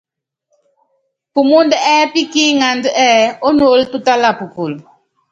Pumúndɛ́ ɛ́ɛ́pí kí iŋánda ɛ́ɛ́: Ónuólo túlata pukul.